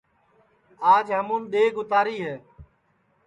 آج ہمون ڈؔیگ اُتاری ہے